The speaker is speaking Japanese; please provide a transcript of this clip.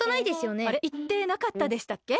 あれっいってなかったでしたっけ？